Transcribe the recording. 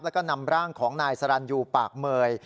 แล้วก็นำร่างของนายสรรยูปากเมย